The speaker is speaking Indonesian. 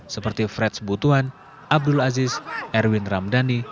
seperti fred sebutuan abdul aziz erwin ramdhani